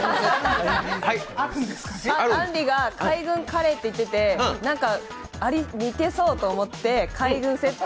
あんりが、海軍カレーって言ってて何か、あれっ、似てそうと思って海軍セット。